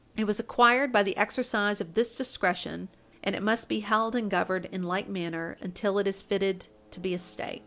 It was acquired by the exercise of this discretion, and it must be held and governed in like manner until it is fitted to be a State.